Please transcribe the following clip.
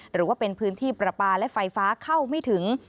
หรือว่าเป็นพื้นที่ประปาและไฟฟ้าเข้าไม่ถึง